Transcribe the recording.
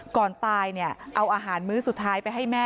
ก่อนตายเนี่ยเอาอาหารมื้อสุดท้ายไปให้แม่